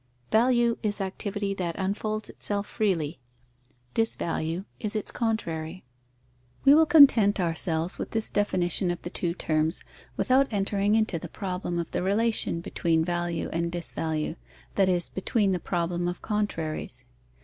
Value is activity that unfolds itself freely: disvalue is its contrary. We will content ourselves with this definition of the two terms, without entering into the problem of the relation between value and disvalue, that is, between the problem of contraries.